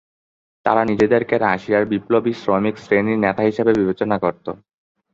তারা নিজেদেরকে রাশিয়ার বিপ্লবী শ্রমিক শ্রেণীর নেতা হিসেবে বিবেচনা করতো।